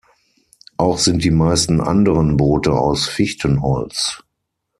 Auch sind die meisten anderen Boote aus Fichtenholz.